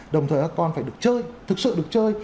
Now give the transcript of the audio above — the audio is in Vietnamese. đồng thời các con phải được chơi thực sự được chơi